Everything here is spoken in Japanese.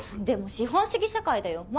でも資本主義社会だよ。